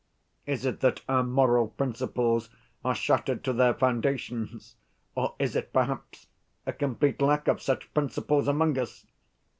Is it that our moral principles are shattered to their foundations, or is it, perhaps, a complete lack of such principles among us?